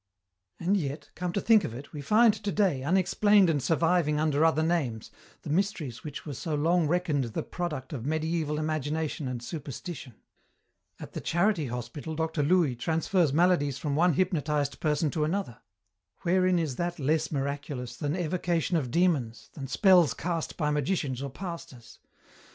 "And yet, come to think of it, we find today, unexplained and surviving under other names, the mysteries which were so long reckoned the product of mediæval imagination and superstition. At the charity hospital Dr. Louis transfers maladies from one hypnotized person to another. Wherein is that less miraculous than evocation of demons, than spells cast by magicians or pastors?